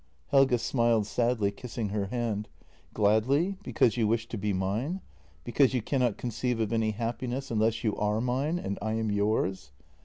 Helge smiled sadly, kissing her hand: " Gladly, because you wish to be mine? Because you cannot conceive of any happiness unless you are mine and I am yours?